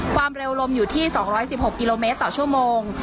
ความเร็วลมอยู่ที่๒๑๖กิโลเมตรต่อชั่วโมง